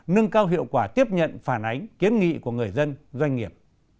nâng cao hiệu quả tiếp nhận phản ánh kiến nghị của người dân doanh nghiệp